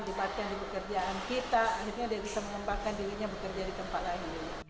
dibatalkan di pekerjaan kita akhirnya dia bisa mengembangkan dirinya bekerja di tempat lain